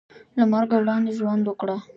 له مرګه وړاندې ژوند وکړه .